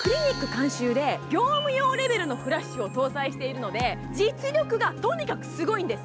監修で業務用レベルのフラッシュを搭載しているので、実力がとにかくすごいんです。